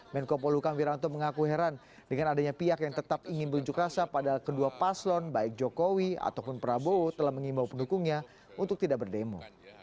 menko polukam wiranto mengaku heran dengan adanya pihak yang tetap ingin berunjuk rasa padahal kedua paslon baik jokowi ataupun prabowo telah mengimbau pendukungnya untuk tidak berdemo